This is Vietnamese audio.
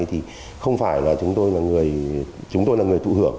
thì không phải là chúng tôi là người tụ hưởng